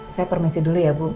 saya permisi dulu ya bu